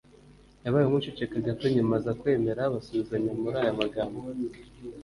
yabaye nk’uceceka gato nyuma aza kwemera basubizanya muri aya magambo